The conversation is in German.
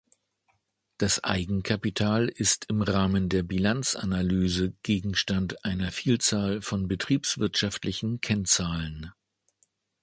Das Eigenkapital ist im Rahmen der Bilanzanalyse Gegenstand einer Vielzahl von betriebswirtschaftlichen Kennzahlen.